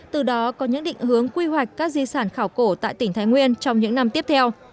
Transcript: từ đó có những định hướng quy hoạch các di sản khảo cổ tại tỉnh thái nguyên trong những năm tiếp theo